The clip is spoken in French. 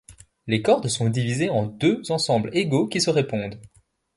Les cordes sont divisées en deux ensembles égaux qui se répondent.